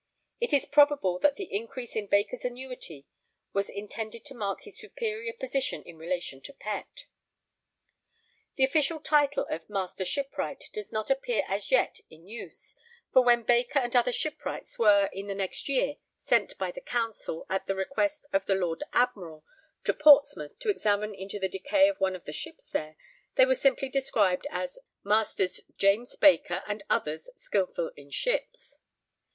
It is probable that the increase in Baker's annuity was intended to mark his superior position in relation to Pett. The official title of 'master shipwright' does not appear as yet in use, for when Baker and other shipwrights were, in the next year, sent by the Council, at the request of the Lord Admiral, to Portsmouth to examine into the decay of one of the ships there, they were simply described as 'Masters James Baker and others skilful in ships.'